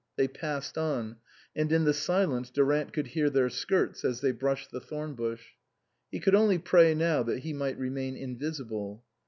They passed on, and in the silence Durant could hear their skirts as they brushed the thorn bush. He could only pray now that he might remain invisible.